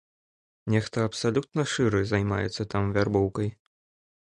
Нехта абсалютна шчыра займаецца там вярбоўкай.